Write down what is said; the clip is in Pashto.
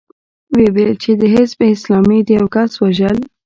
ويې ويل چې د حزب اسلامي د يوه کس وژل.